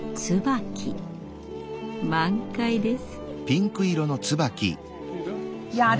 満開です。